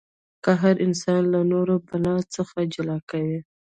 قهر انسان د نورو څخه جلا کوي.